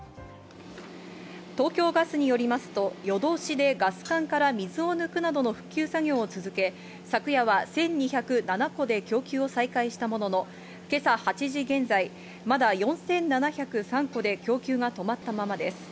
東京ガスによりますと夜通しでガス管から水を抜くなどの復旧作業を続け、昨夜は１２０７戸で供給を再開したものの、今朝８時現在、まだ４７０３戸で供給が止まったままです。